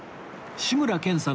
志村けんさん。